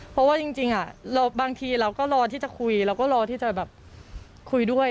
เพราะว่าจริงบางทีเราก็รอที่จะคุยเราก็รอที่จะแบบคุยด้วย